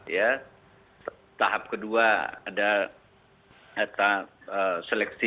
ya tahap kedua ada data seleksi